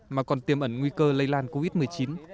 mà còn tiêm ẩn nguy cơ lây lan covid một mươi chín